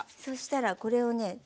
そしたらこれをね